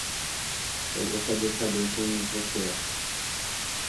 Eu gostaria de saber quem você é.